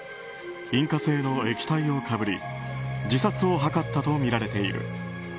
引火性の液体をかぶり自殺を図ったとみられている。